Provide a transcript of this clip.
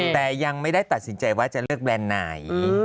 แต่ยังไม่ได้ตัดสินใจว่าจะเลือกแบรนด์ไหน